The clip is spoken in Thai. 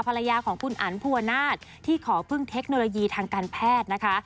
ภรรยาของคุณอันภูวนาศที่ขอพึ่งเทคโนโลยีทางการแพทย์นะคะ